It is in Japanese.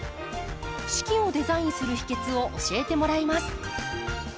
四季をデザインする秘けつを教えてもらいます。